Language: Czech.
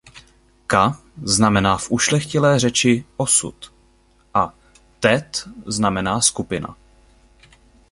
Ka znamená v Ušlechtilé řeči "osud" a Tet znamená "skupina".